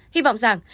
hy vọng rằng